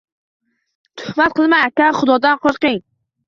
Tuhmat qilmang, aka! Xudodan qoʻrqing!